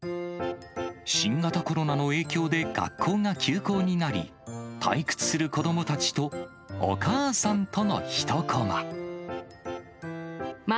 新型コロナの影響で学校が休校になり、退屈する子どもたちとお母さんとの一コマ。